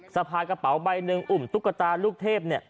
สะพายกระเป๋าใบหนึ่งอุ่มตุ๊กตาลูกเทพเนี่ย